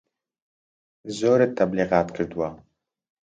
زۆرت تەبلیغات کردوە